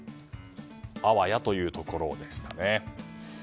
あわやというところでしたね。